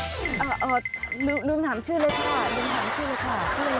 ลืมถามชื่อเลยค่ะลืมถามชื่อค่ะ